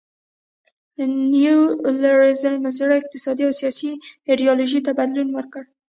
نیو لیبرالیزم زړې اقتصادي او سیاسي ایډیالوژۍ ته بدلون ورکړ.